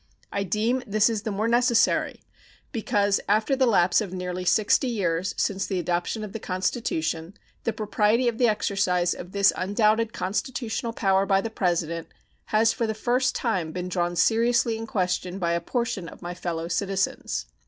I deem this the more necessary because, after the lapse of nearly sixty years since the adoption of the Constitution, the propriety of the exercise of this undoubted constitutional power by the President has for the first time been drawn seriously in question by a portion of my fellow citizens.